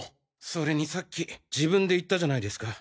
それにさっき自分で言ったじゃないですか。